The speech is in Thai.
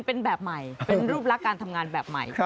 เป็นแบบใหม่เป็นรูปลักษณ์การทำงานแบบใหม่